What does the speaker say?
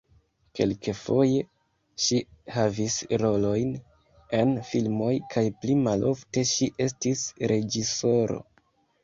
Kelkfoje ŝi havis rolojn en filmoj kaj pli malofte ŝi estis reĝisoro.